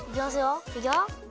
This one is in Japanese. いくよ。